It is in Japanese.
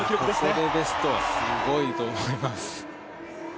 ここでベストはすごいと思います。